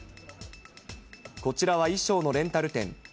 こちらは衣装のレンタル店。